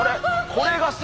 これがさ。